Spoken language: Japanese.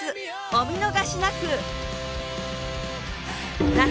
お見逃しなく！